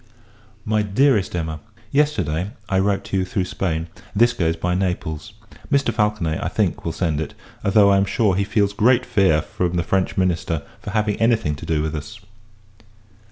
MY EVER DEAREST EMMA, Yesterday, I wrote to you, through Spain; this goes by Naples. Mr. Falconet, I think, will send it; although, I am sure, he feels great fear from the French minister, for having any thing to do with us.